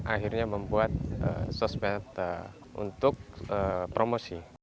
akhirnya membuat sosmed untuk promosi